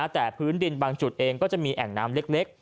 แต่พื้นดินบางจุดเองก็จะมีแอ่งน้ำเล็ก